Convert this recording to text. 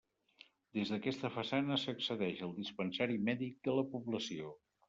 Des d'aquesta façana s'accedeix al dispensari mèdic de la població.